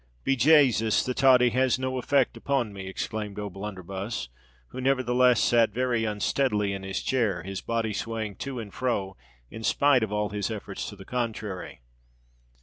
"Be Jasus! the toddy has no effects upon me!" exclaimed O'Blunderbuss, who nevertheless sate very unsteadily in his chair, his body swaying to and fro in spite of all his efforts to the contrary.